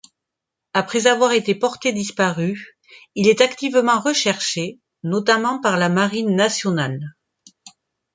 Après avoir été porté disparu, il est activement recherché, notamment par la Marine nationale.